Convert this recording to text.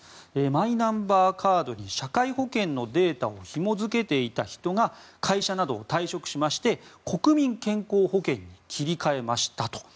マイナンバーカードに社会保険のデータをひも付けていた人が会社などを退職しまして国民健康保険に切り替えましたと。